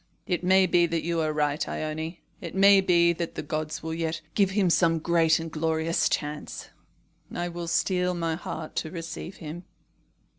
"It may be that you are right, Ione. It may be that the gods will yet give him some great and glorious chance. I will steel my heart to receive him."